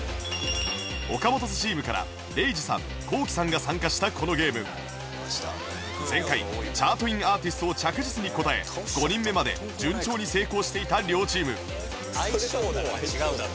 ＯＫＡＭＯＴＯ’Ｓ チームからレイジさんコウキさんが参加したこのゲーム前回チャートインアーティストを着実に答え５人目まで順調に成功していた両チーム愛称だから違うだろ。